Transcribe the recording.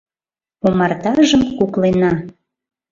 Омартажым куклена